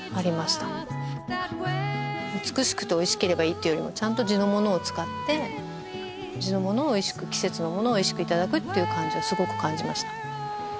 美しくておいしければってよりもちゃんと地の物を使って地の物をおいしく季節の物をおいしく頂くっていう感じをすごく感じました。